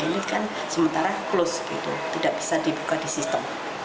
ini kan sementara plus gitu